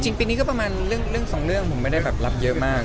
จริงปีนี้ก็ประมาณเรื่องสองเรื่องผมไม่ได้แบบรับเยอะมาก